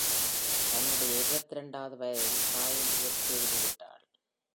தன்னுடைய இருபத்திரண்டாவது வயதில் தாயும் இயற்கையெய்திவிட்டாள்.